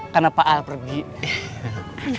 karena pak al periksa